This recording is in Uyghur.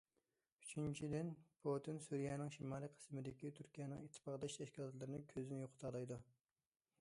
ئۈچىنچىدىن: پۇتىن سۈرىيەنىڭ شىمالى قىسمىدىكى تۈركىيەنىڭ ئىتتىپاقداش تەشكىلاتلىرىنى كۆزدىن يوقىتالايدۇ.